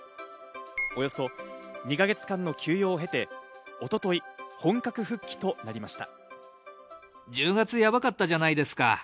およそ２か月間の休養を経て、一昨日、本格復帰となりました。